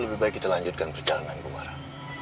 lebih baik kita lanjutkan perjalanan bang mara